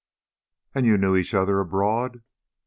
"And you knew each other abroad?"